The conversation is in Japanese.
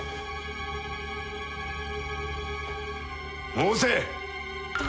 申せ！